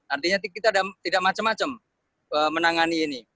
artinya kita tidak macam macam menangani ini